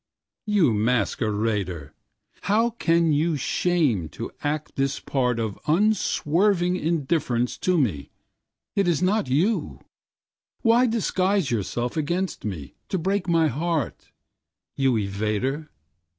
You masquerader! How can you shame to act this partOf unswerving indifference to me? It is not you; why disguise yourselfAgainst me, to break my heart, You evader?